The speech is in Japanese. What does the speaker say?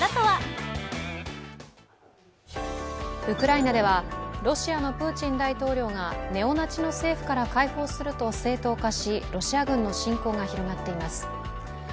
ウクライナではロシアのプーチン大統領がネオナチの政府から解放するとしロシア軍の侵攻が広がっています。